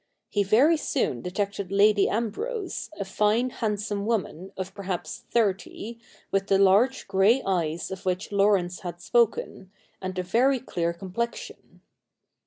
He ver} soon detected Lady Ambrose, a fine handsome woman of perhaps thirty, with the large grey eyes of which Laurence had spoken, and a very clear complexion.